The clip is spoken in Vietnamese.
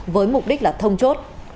với mục đích là thông chốt